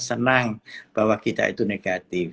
senang bahwa kita itu negatif